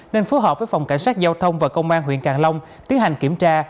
nên phối hợp với phòng cảnh sát giao thông và công an huyện càng long tiến hành kiểm tra